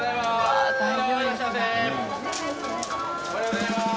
おはようございます！